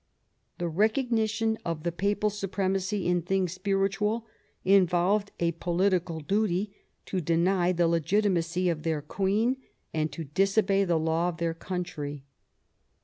The recognition of the Papal supremacy in things spiritual involved a political duty to deny the legiti macy of their Queen and to disobey the law of their country.